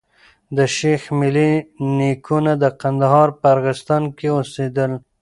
د شېخ ملي نيکونه د کندهار په ارغستان کي اوسېدل.